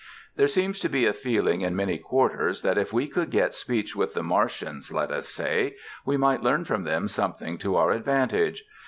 There seems to be a feeling in many quarters that if we could get speech with the Martians, let us say, we might learn from them something to our advantage.